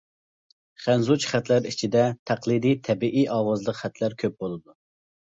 خەنزۇچە خەتلەر ئىچىدە تەقلىدىي تەبىئىي ئاۋازلىق خەتلەر كۆپ بولىدۇ.